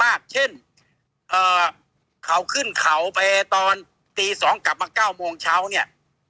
เช่นเขาขึ้นเขาไปตอนตี๒กลับมา๙โมงเช้าเนี่ย